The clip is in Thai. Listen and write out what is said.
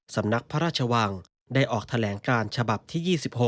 สำนักพระราชวังได้ออกแถลงการฉบับที่๒๖